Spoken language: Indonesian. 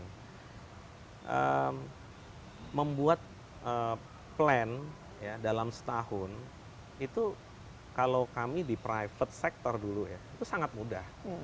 jadi membuat plan dalam setahun itu kalau kami di private sector dulu ya itu sangat mudah